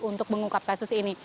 untuk mengungkap kasus ini